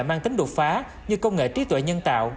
mang tính đột phá như công nghệ trí tuệ nhân tạo